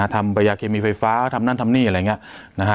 ทำยาเคมีไฟฟ้าทำนั่นทำนี่อะไรอย่างนี้